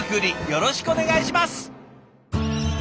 よろしくお願いします！